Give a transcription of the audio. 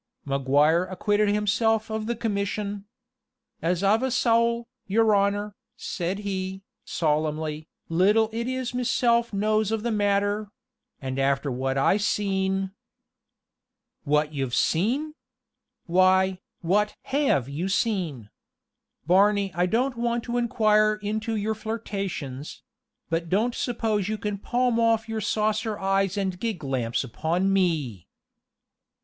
Maguire acquitted himself of the commission. "As I've a sowl, your honor," said he, solemnly, "little it is meself knows of the matter: and after what I seen " "What you've seen! Why, what have you seen? Barney, I don't want to inquire into your flirtations; but don't suppose you can palm off your saucer eyes and gig lamps upon me!"